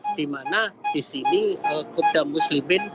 di mana di sini kopda muslimin